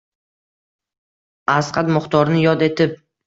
Asqad Muxtorni yod etib